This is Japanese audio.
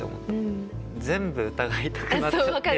全部疑いたくなっちゃって。